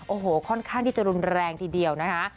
โอ้โหค่อนข้างที่จะรุนแรงทีเดียวนะคะ